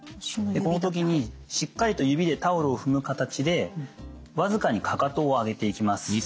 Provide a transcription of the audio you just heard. この時にしっかりと指でタオルを踏む形で僅かにかかとを上げていきます。